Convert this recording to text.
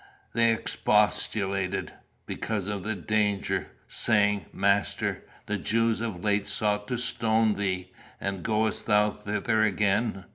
They expostulated, because of the danger, saying, 'Master, the Jews of late sought to stone thee; and goest thou thither again?